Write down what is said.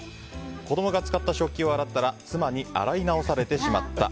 子供が使った食器を洗ったら妻に洗いなおされてしまった。